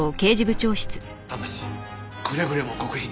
ただしくれぐれも極秘に。